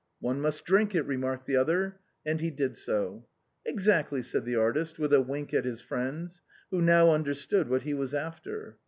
" One must drink it," remarked the other, and he did so. " Exactly," said the artist, with a wink at his friends, who now understood what he was after.